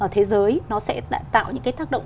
thế giới nó sẽ tạo những cái tác động